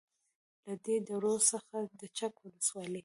. له دې درو څخه د چک ولسوالۍ